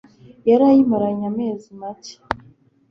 Yari ayimaranye amezi make